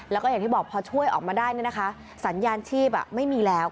แล้วก็อย่างที่บอกพอช่วยออกมาได้สัญญาณชีพไม่มีแล้ว